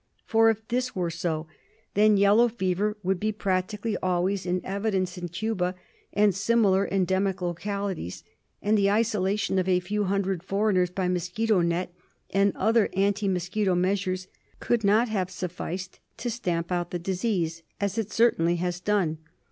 For if this were so, then yellow fever would be practically always in evidence in Cuba and similar endemic localities, and the isolation of a few hundred foreigners by mosquito net and other anti mosquito measures could not have sufficed to stamp out the disease, as it certainly has done.